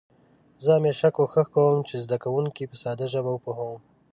زه همېشه کوښښ کوم چې زده کونکي په ساده ژبه وپوهوم.